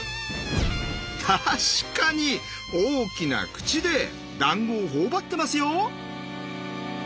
確かに大きな口でだんごを頬張ってますよ！